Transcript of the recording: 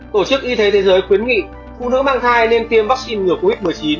tổ chức y thế thế giới quyến nghị phụ nữ mang thai nên tiêm vắc xin ngừa covid một mươi chín